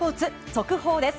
速報です。